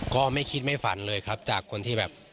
ก็ไม่คิดไม่ฝันเลยครับจากคนที่แบบ